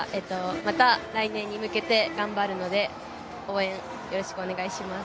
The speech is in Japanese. また来年に向けて頑張るので応援よろしくお願いします。